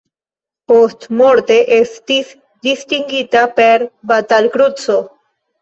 Postmorte estis distingita per Batal-Kruco.